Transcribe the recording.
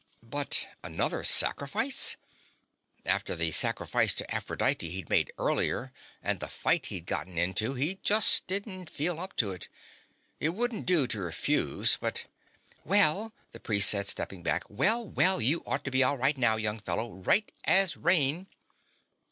But another sacrifice? After the sacrifice to Aphrodite he'd made earlier, and the fight he'd gotten into, he just didn't quite feel up to it. It wouldn't do to refuse, but ... "Well," the priest said, stepping back. "Well, well. You ought to be all right now, young fellow right as rain."